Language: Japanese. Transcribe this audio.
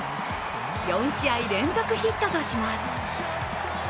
４試合連続ヒットとします。